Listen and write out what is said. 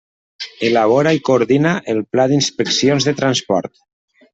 Elabora i coordina el Pla d'inspeccions de transport.